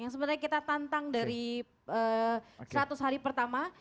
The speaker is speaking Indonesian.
yang sebenarnya kita tantang dari seratus hari pertama